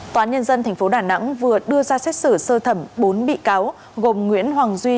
tòa án nhân dân tp đà nẵng vừa đưa ra xét xử sơ thẩm bốn bị cáo gồm nguyễn hoàng duy